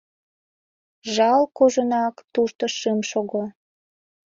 Жал, кужунак тушто шым шого.